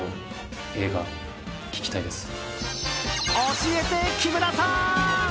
教えて、木村さん！